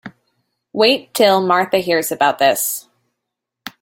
Wait till Martha hears about this.